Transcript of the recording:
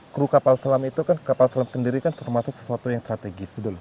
kru kapal selam itu kan kapal selam sendiri kan termasuk sesuatu yang strategis